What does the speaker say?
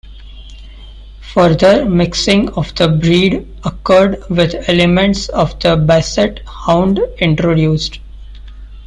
Further mixing of the breed occurred with elements of the Basset Hound introduced.